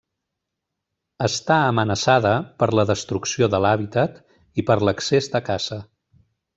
Està amenaçada per la destrucció de l'hàbitat i per l'excés de caça.